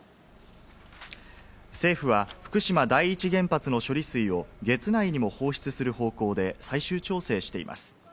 政府は福島第一原発の処理水を月内にも放出する方向で最終調整しています。